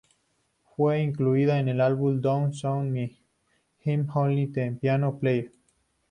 Fue incluida en el álbum Don't Shoot Me, I'm Only the Piano Player.